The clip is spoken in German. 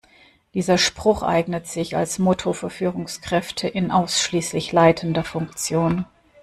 Dieser Spruch eignet sich als Motto für Führungskräfte in ausschließlich leitender Funktion.